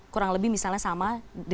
kurang lebih misalnya sama